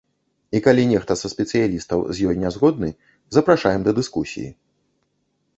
І калі нехта са спецыялістаў з ёй не згодны, запрашаем да дыскусіі.